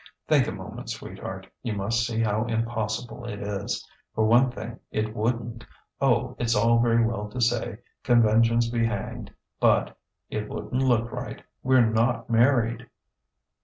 "Think a moment, sweetheart. You must see how impossible it is. For one thing, it wouldn't O it's all very well to say 'Conventions be hanged!' but it wouldn't look right. We're not married."